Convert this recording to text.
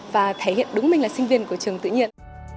và thể hiện đúng mình là sinh viên của trường tự nhiên